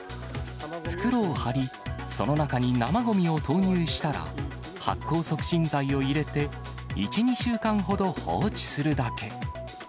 袋を張り、その中に生ごみを投入したら、発酵促進剤を入れて、１、２週間ほど放置するだけ。